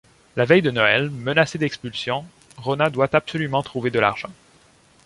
La veille de Noël, menacée d'expulsion, Ronna doit absolument trouver de l'argent.